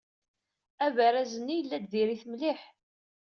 Abaraz-nni yella-d diri-t mliḥ.